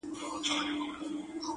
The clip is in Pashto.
جرسونه به شرنګیږي د وطن پر لویو لارو.!